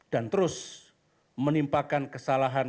dan terus menimpakan kesalahan